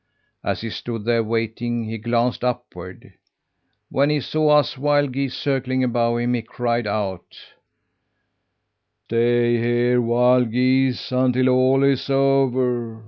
As he stood there waiting, he glanced upward. When he saw us wild geese circling above him, he cried out: "'Stay here, wild geese, until all is over!